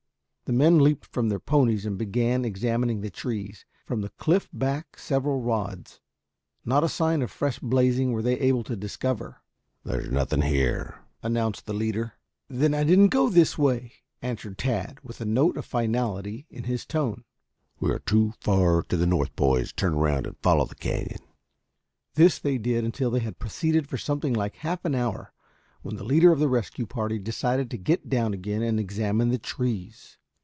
The men leaped from their ponies and began examining the trees, from the cliff back several rods. Not a sign of fresh blazing were they able to discover. "There's nothing here," announced the leader. "Then I didn't go this way," answered Tad, with a note of finality in his tone. "We are too far to the north, boys. Turn around and follow the canyon." This they did until they had proceeded for something like half an hour, when the leader of the rescue party decided to get down again and examine the trees.